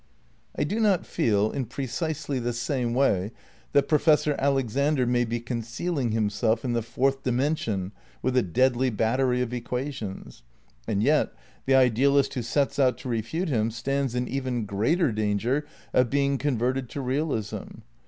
I do not feel, in precisely the same way, that Pro fessor Alexander may be concealing himself in the Fourth Dimension with a deadly battery of equations ; and yet, the idealist who sets out to refute him stands in even greater danger of being converted to realism.